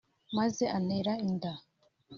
maze antera inda